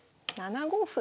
７五歩。